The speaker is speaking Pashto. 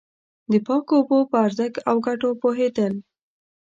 د پاکو اوبو په ارزښت او گټو پوهېدل.